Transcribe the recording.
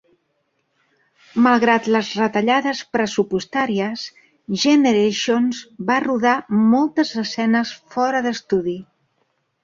Malgrat les retallades pressupostàries, "Generations" va rodar moltes escenes fora d'estudi.